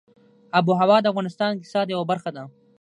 آب وهوا د افغانستان د اقتصاد یوه برخه ده.